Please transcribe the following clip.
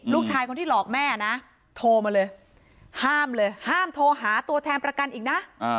ลูกชายคนที่หลอกแม่นะโทรมาเลยห้ามเลยห้ามโทรหาตัวแทนประกันอีกนะ